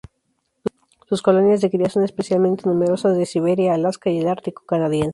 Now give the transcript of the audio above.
Sus colonias de cría son especialmente numerosas de Siberia, Alaska y el Ártico canadiense.